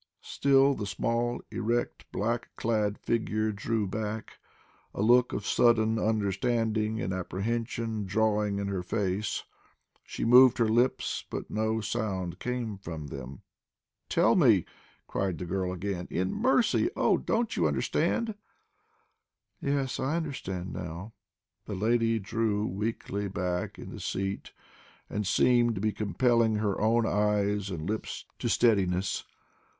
Still the small, erect, black clad figure drew back, a look of sudden understanding and apprehension dawning in her face. She moved her lips, but no sound came from them. "Tell me!" cried the girl again. "In mercy oh, don't you understand?" "Yes, I understand now." The lady drew weakly back in the seat and seemed to be compelling her own eyes and lips to steadiness.